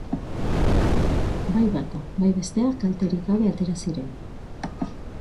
Bai bata bai bestea kalterik gabe atera ziren.